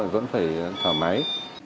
vẫn phải thả máy